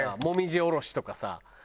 もみじおろしとかさ。